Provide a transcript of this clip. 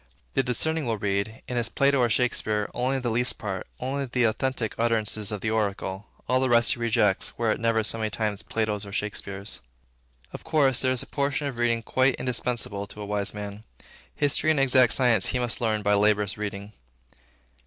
The discerning will read, in his Plato or Shakespeare, only that least part, only the authentic utterances of the oracle; all the rest he rejects, were it never so many times Plato's and Shakespeare's. Of course, there is a portion of reading quite indispensable to a wise man. History and exact science he must learn by laborious reading.